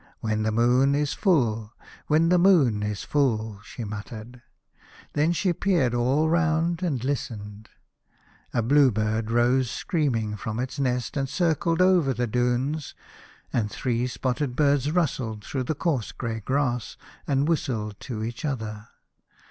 " When the moon is full, when the moon is full," she muttered. Then she peered all round, and listened. A blue bird rose screaming from its nest and circled over the dunes, and three spotted birds rustled through the coarse grey grass and 76 The Fisherman and his Soul. whistled to each other.